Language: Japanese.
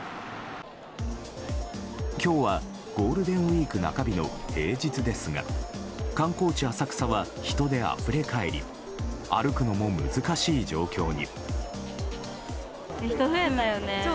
今日はゴールデンウィーク中日の平日ですが観光地・浅草は人であふれ返り歩くのも難しい状況に。